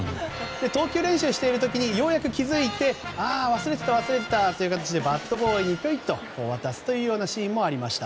投球練習している時にようやく気付いてああ、忘れてた！という形でバットボーイに渡すというシーンもありました。